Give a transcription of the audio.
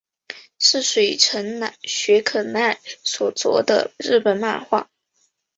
是水城雪可奈所着的日本漫画。